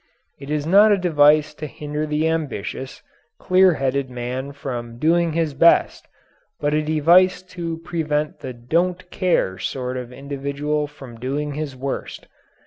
It is not a device to hinder the ambitious, clear headed man from doing his best, but a device to prevent the don't care sort of individual from doing his worst.